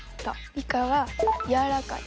イカはやわらかい。